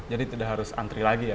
jadi tidak harus antri lagi ya pak